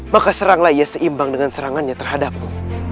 maka seranglah ia seimbang dengan serangannya terhadapmu